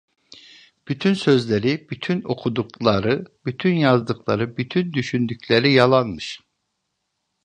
Bütün sözleri, bütün okudukları, bütün yazdıkları, bütün düşündükleri yalanmış!